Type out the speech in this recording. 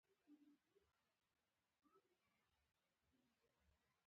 هغه ځنګل ته لاړ او هلته یې ژوند کاوه.